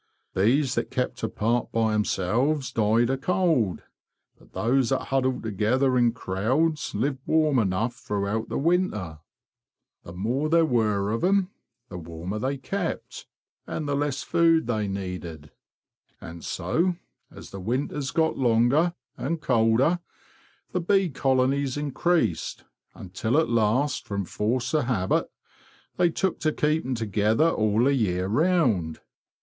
Bees that kept apart by themselves died of cold, but those that huddled together in crowds lived warm enough throughout the winter. The more there were of 'em the N 19 THE BEE MASTER OF WARRILOW warmer they kept, and the less food they needed. And so, as the winters got longer and colder, the bee colonies increased, until at last, from force of habit, they took to keeping together all the year round.